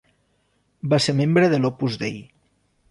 Va ser membre de l'Opus Dei.